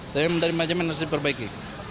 tapi dari mana saja harus diperbaiki